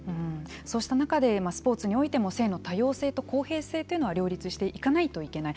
そうした中でスポーツにおいても性の多様性と公平性というのは両立していかないといけない。